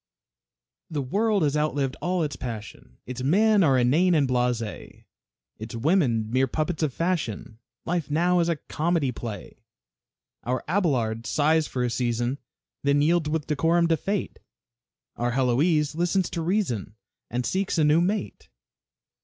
The world has outlived all its passion, Its men are inane and blase, Its women mere puppets of fashion; Life now is a comedy play. Our Abelard sighs for a season, Then yields with decorum to fate. Our Heloise listens to reason, And seeks a new mate.